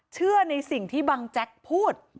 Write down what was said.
เชื่อในสิ่งที่บังแจ๊กพูด